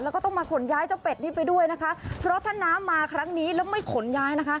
แล้วก็ต้องมาขนย้ายเจ้าเป็ดนี้ไปด้วยนะคะเพราะถ้าน้ำมาครั้งนี้แล้วไม่ขนย้ายนะคะ